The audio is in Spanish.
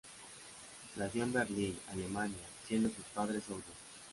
Nació en Berlín, Alemania, siendo sus padres sordos.